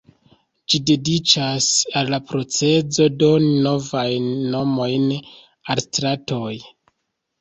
Ĝi dediĉas al la procezo doni novajn nomojn al stratoj.